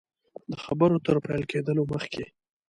د خبرو تر پیل کېدلو مخکي.